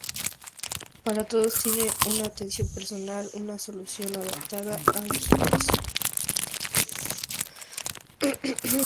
Para todos tiene una atención personal, una solución adaptada a su caso.